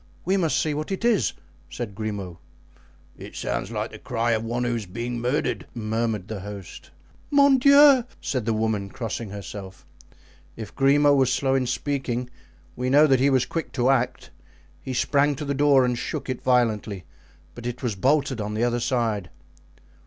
"We must see what it is," said Grimaud. "It sounds like the cry of one who is being murdered," murmured the host. "Mon Dieu!" said the woman, crossing herself. If Grimaud was slow in speaking, we know that he was quick to act; he sprang to the door and shook it violently, but it was bolted on the other side.